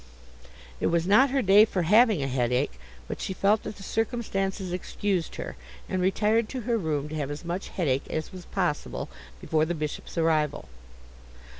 It was not her day for having a headache, but she felt that the circumstances excused her, and retired to her room to have as much headache as was possible before the Bishop's arrival.